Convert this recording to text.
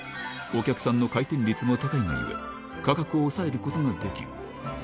お客さんの回転率も高いゆえ、価格を抑えることができる。